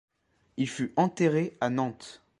Il fut enterré à Nantes.